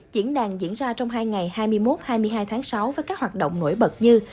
diễn đàn diễn ra trong hai ngày hai mươi một hai mươi hai tháng sáu với các hoạt động nổi bật như